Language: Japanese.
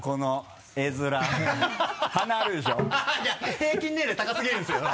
平均年齢高すぎるんですよ。